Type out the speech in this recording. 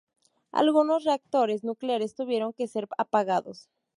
Algunos reactores nucleares tuvieron que ser apagados.